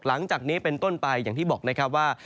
หลังจากนี้เป็นต้นไปอย่างที่บอกนะครับว่า